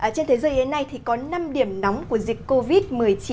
trên thế giới hiện nay có năm điểm nóng của dịch covid một mươi chín